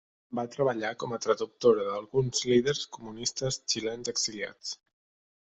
Va treballar com a traductora d'alguns líders comunistes xilens exiliats.